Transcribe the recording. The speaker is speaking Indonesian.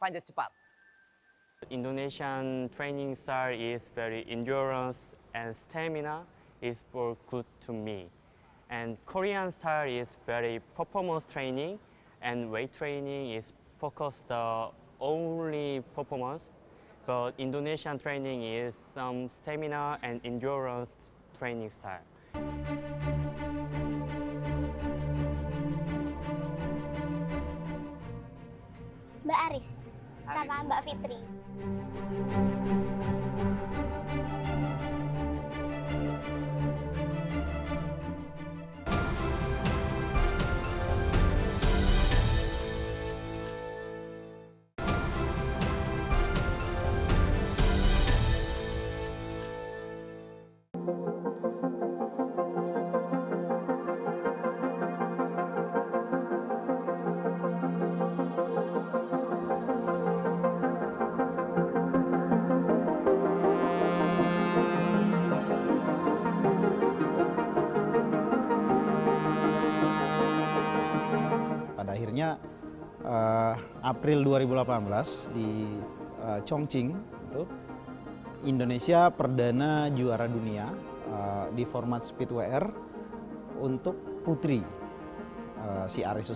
jadi kalau nggak salah itu dimulai di dua ribu tujuh belas format speed to air